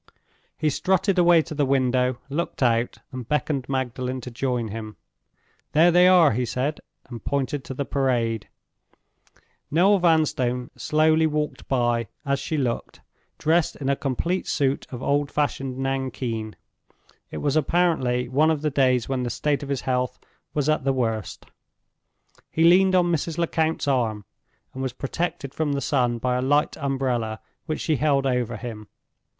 He strutted away to the window, looked out, and beckoned to Magdalen to join him. "There they are!" he said, and pointed to the Parade. Noel Vanstone slowly walked by, as she looked, dressed in a complete suit of old fashioned nankeen. It was apparently one of the days when the state of his health was at the worst. He leaned on Mrs. Lecount's arm, and was protected from the sun by a light umbrella which she held over him.